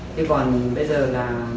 thế còn bây giờ là